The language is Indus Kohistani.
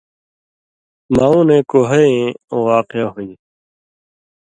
معونَیں کُہئ ایں واقعہ ہُون٘دیۡ۔